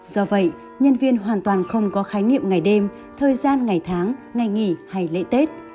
do vậy nhân viên hoàn toàn không có khái niệm ngày đêm thời gian ngày tháng ngày nghỉ hay lễ tết